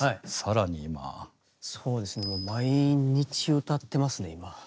そうですねもう毎日歌ってますね今。